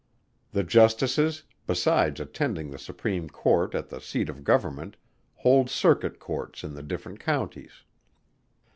The Justices, besides attending the Supreme Court at the Seat of Government, hold Circuit Courts in the different Counties.